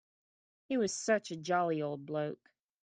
He was such a jolly old bloke.